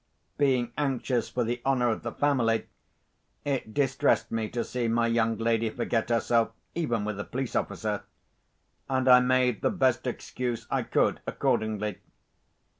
Being anxious for the honour of the family, it distressed me to see my young lady forget herself—even with a police officer—and I made the best excuse I could, accordingly.